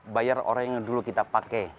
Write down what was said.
bayar orang yang dulu kita pakai